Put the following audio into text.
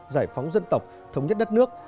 giải phóng dân tộc thống nhất đất nước